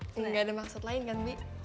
gak ada maksud lain kan bi